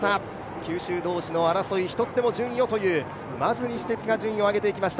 九州同士の争い、１つでも順位をという、まず西鉄が順位を上げていきました。